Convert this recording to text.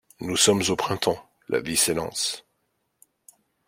Nous sommes au printemps, la vie s’élance.